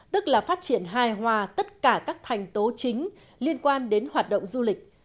tức là phát triển hài hòa tất cả các thành tố chính liên quan đến hoạt động du lịch